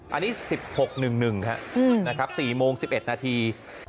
อันนี้๑๖๑๑ครับ๔โมง๑๑นาที